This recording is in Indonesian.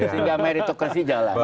sehingga meritokensi jalan